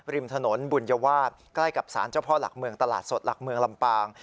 ริมถนนบุญวาสใกล้กับสารเจ้าพ่อหลักเมืองตลาดสดหลักเมืองลำปาง